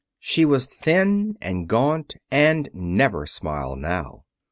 She was thin and gaunt, and never smiled now.